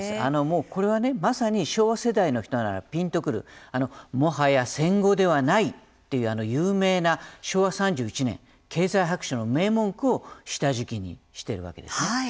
これはまさに、昭和世代の人ならピンとくる「もはや戦後ではない」という有名な昭和３１年経済白書の名文句を下敷きにしているわけですね。